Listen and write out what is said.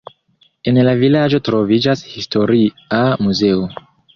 En la vilaĝo troviĝas historia muzeo.